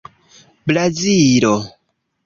Brazilo